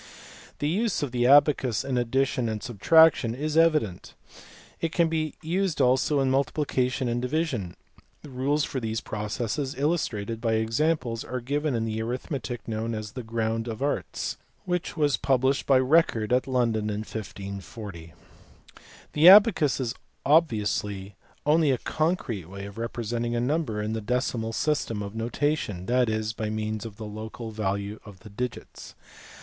The use of the abacus in addition and subtraction is evident. It can be used also in multiplication and division ; rules for these processes, illustrated by examples, are given in the arithmetic known as The Grounds of Artes* which was published by Eecord at London in 1540. The abacus is obviously only a concrete way of representing a number in the decimal system of notation, that is, by means of the local value of the digits.